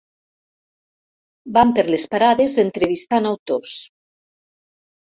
Van per les parades entrevistant autors.